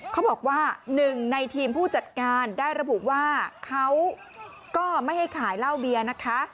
เขาบอกว่าหนึ่งในทีมผู้จัดงานได้ระบุว่าเขาก็ไม่ให้ขายเหล้าเบียร์นะคะ